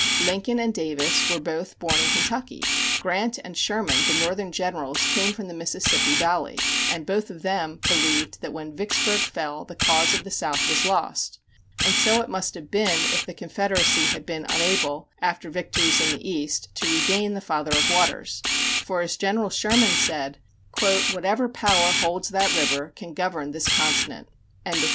Lincoln and Davis were both born in Kentucky. Grant and Sherman, the northern generals, came from the Mississippi Valley; and both of them believed that when Vicksburg fell the cause of the South was lost, and so it must have been if the Confederacy had been unable, after victories in the East, to regain the Father of Waters; for, as General Sherman said: "Whatever power holds that river can govern this continent."